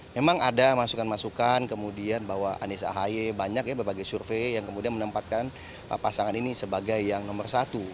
memang ada masukan masukan kemudian bahwa anies ahy banyak ya berbagai survei yang kemudian menempatkan pasangan ini sebagai yang nomor satu